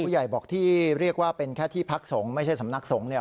ใหญ่บอกที่เรียกว่าเป็นแค่ที่พักสงฆ์ไม่ใช่สำนักสงฆ์เนี่ย